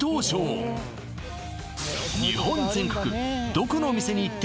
日本全国